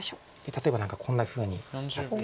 例えば何かこんなふうにやって。